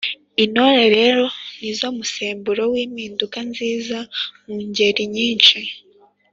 Intore rero ni zo musemburo w’impinduka nziza mu ngeri nyinshi